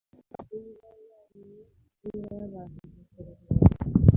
niba yariye, niba yabashije kuruhuka,